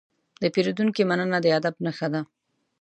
د پیرودونکي مننه د ادب نښه ده.